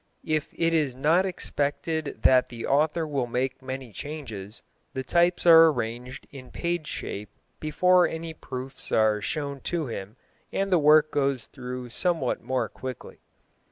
If it is not expected that the author will make many changes the types are arranged in page shape before any proofs are shown to him, and the work goes through somewhat more quickly.